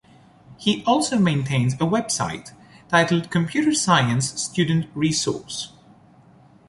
He also maintains a website titled Computer Science Student Resource.